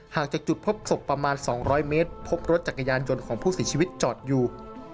จากจุดพบศพประมาณ๒๐๐เมตรพบรถจักรยานยนต์ของผู้เสียชีวิตจอดอยู่